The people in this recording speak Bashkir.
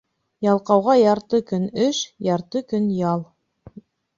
Ялҡауға ярты көн эш, ярты көн ял.